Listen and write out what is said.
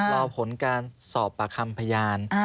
รอผลการสอบปากคำพยาน